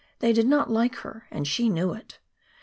They did not like her, and she knew it.